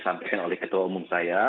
sampaikan oleh ketua umum saya